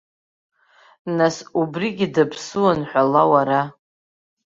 Нас, убригьы даԥсыуан ҳәала уара!